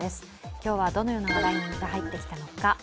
今日はどのような話題が入ってきたのか。